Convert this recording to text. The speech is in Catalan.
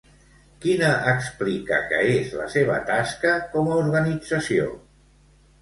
Quina explica que és la seva tasca com a organització?